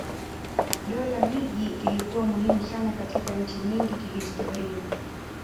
Dola miji ilikuwa muhimu sana katika nchi nyingi kihistoria.